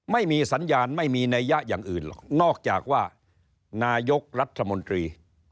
ไม่มีสัญญาณไม่มีนัยยะอย่างอื่นหรอกนอกจากว่านายกรัฐมนตรี